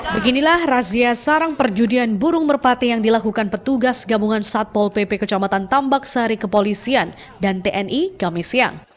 beginilah razia sarang perjudian burung merpati yang dilakukan petugas gabungan satpol pp kecamatan tambak sari kepolisian dan tni kami siang